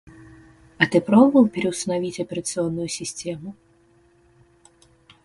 А ты пробовал переустановить операционную систему?